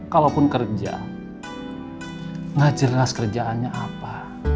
kalaupun kerja gak jelas kerjaannya apa